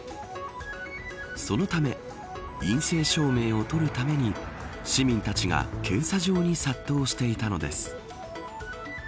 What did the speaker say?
そのため陰性証明を取るために市民たちが検査場に殺到していたのです。